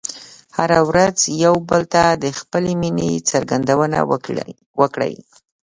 هره ورځ یو بل ته د خپلې مینې څرګندونه وکړئ.